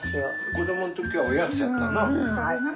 子どもん時はおやつやったな。